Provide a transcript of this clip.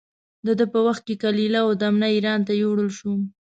د ده په وخت کې کلیله و دمنه اېران ته یووړل شوه.